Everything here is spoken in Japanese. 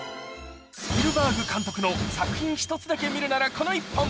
スピルバーグ監督の作品１つだけ見るならこの１本。